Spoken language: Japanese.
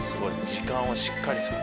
時間をしっかり使う。